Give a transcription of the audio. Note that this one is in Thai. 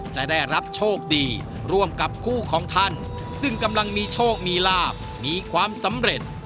จะได้รับโชคดีร่วมกับคู่ของท่านซึ่งกำลังมีโชคมีลาบมีความสำเร็จ